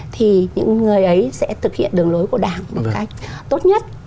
thì những người ấy sẽ thực hiện đường lối của đảng một cách tốt nhất